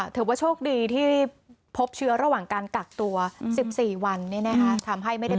เธอว่าโชคดีที่พบเชื้อระหว่างการกัดตัวสิบสี่วันเนี่ยนะฮะทำให้ไม่ได้เป็น